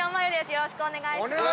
よろしくお願いします。